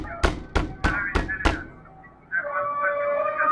مسافري خواره خواري ده.!